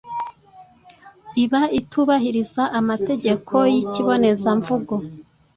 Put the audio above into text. iba itubahiriza amategeko y’ikibonezamvugo,